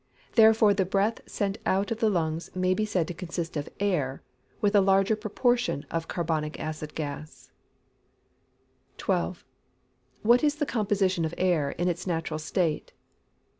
Therefore the breath sent out of the lungs may be said to consist of air, with a large proportion of carbonic acid gas. 12. _What is the composition of air in its natural state?